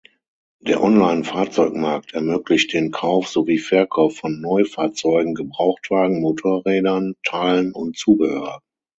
Der Online-Fahrzeugmarkt ermöglicht den Kauf sowie Verkauf von Neufahrzeugen, Gebrauchtwagen, Motorrädern, Teilen und Zubehör.